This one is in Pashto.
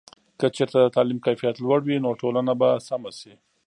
که چېرته د تعلیم کیفیت لوړ وي، نو ټولنه به سمه سي.